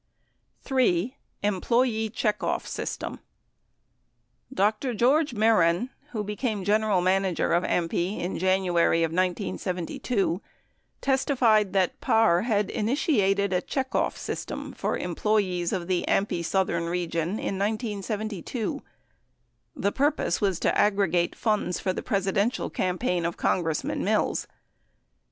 3. EMPLOYEE CHECKOFF SYSTEM Dr. George Mehren, who became general manager of AMPI in January of 1972, testified that Parr had initiated a checkoff system for employees of the AMPI southern region in 1972. The purpose was to aggregate funds for the Presidential campaign of Congressman Mills.